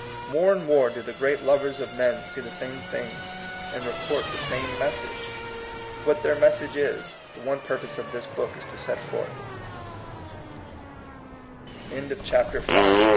More and more do the great lovers of men see the same things, and report the same message. What their message is, the one purpose of this book is to s